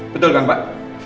betul kan pak